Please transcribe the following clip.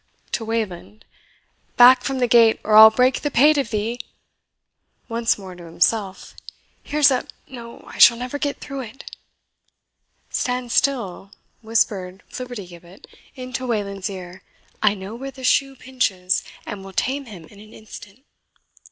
(To Wayland) "Back from the gate, or I'll break the pate of thee." (Once more to himself) "Here's a no I shall never get through it." "Stand still," whispered Flibbertigibbet into Wayland's ear, "I know where the shoe pinches, and will tame him in an instant."